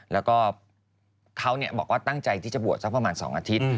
แล้วก็เขาบอกว่าตั้งใจที่จะบวชสักประมาณ๒อาทิตย์